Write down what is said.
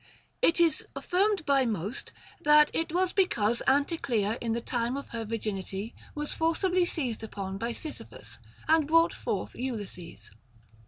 It is affirmed by most, that it was because Anticlea in the time of her virginity was forcibly seized upon by Sisyphus, and brought forth Ulysses.